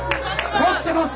撮ってます！